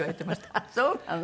あっそうなの。